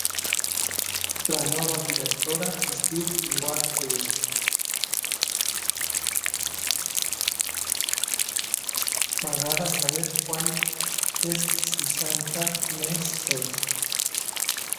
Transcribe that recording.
M'agradaria saber quant és seixanta més dos.